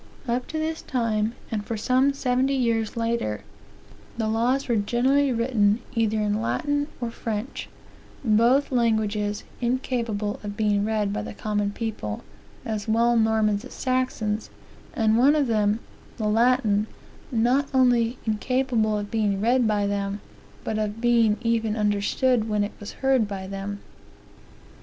Up to this time, and for some seventy years later, the laws were generally written either in Latin or French; both languages incapable of being read by the common people, as well Normans as Saxons; and one of them, the Latin, not only incapable of being read by them, but of beingeven understood when it was heard by them.